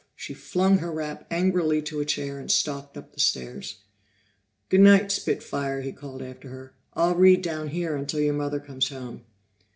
She flung her wrap angrily to a chair and stalked up the stairs. "Good night, spit fire," he called after her. "I'll read down here until your mother comes home."